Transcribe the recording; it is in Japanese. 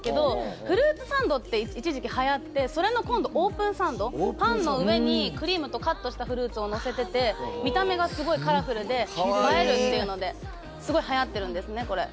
フルーツサンドって一時期はやってそれのオープンサンドパンの上にフルーツをのせていて見た目がすごいカラフルで映えるっていうのですごい、はやってるんですね。